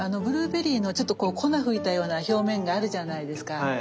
ブルーベリーのちょっと粉ふいたような表面があるじゃないですか。